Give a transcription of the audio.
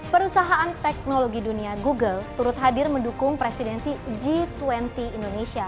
perusahaan teknologi dunia google turut hadir mendukung presidensi g dua puluh indonesia